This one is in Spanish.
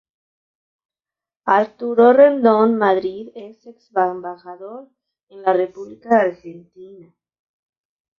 Arturo Rendón Madrid ex embajador en la república de Argentina.